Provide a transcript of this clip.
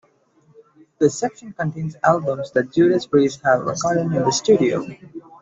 This section contains albums that Judas Priest have recorded in the studio.